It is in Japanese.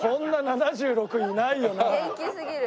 元気すぎる。